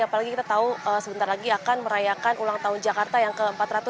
apalagi kita tahu sebentar lagi akan merayakan ulang tahun jakarta yang ke empat ratus dua puluh